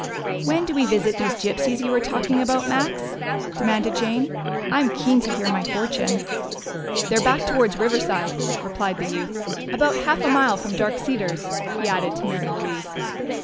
"When do we visit these gypsies you were talking about, Max?" demanded Jane. "I'm keen to hear my fortune." "They're back towards Riverside," replied the youth. "About half a mile from Dark Cedars," he added, to Mary Louise.